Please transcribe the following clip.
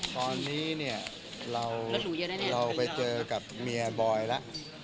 ตอนนี้เนี่ยเราไปเจอกับเมียบอยแล้ว